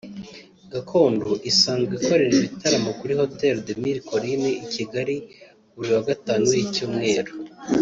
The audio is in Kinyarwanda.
Gakondo isanzwe ikorera ibitaramo kuri Hotel de Mille Collines i Kigali buri wa Gatanu w’Icyumweru